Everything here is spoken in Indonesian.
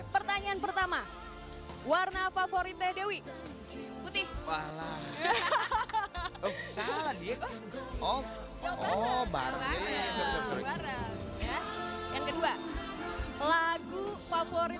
pertanyaan pertama warna favorit teh dewi putih salah diet of barang yang kedua lagu favorit